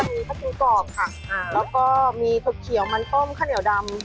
มีข้าวปูกรอบค่ะแล้วก็มีผักเขียวมันต้มข้าวเหนียวดำ